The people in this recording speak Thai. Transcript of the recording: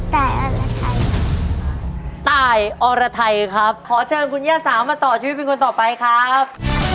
ตายอรไทยตายอรไทยครับขอเชิญคุณย่าสาวมาต่อชีวิตเป็นคนต่อไปครับ